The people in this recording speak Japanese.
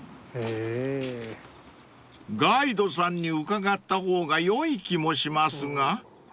［ガイドさんに伺った方がよい気もしますが］